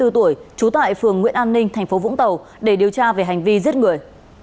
hai mươi bốn tuổi trú tại phường nguyễn an ninh thành phố vũng tàu để điều tra về hành vi giết người